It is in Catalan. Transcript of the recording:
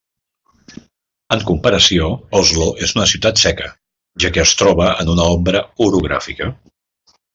En comparació, Oslo és una ciutat seca, ja que es troba en una ombra orogràfica.